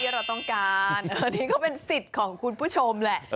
เราต้องการอันนี้ก็เป็นสิทธิ์ของคุณผู้ชมแหละ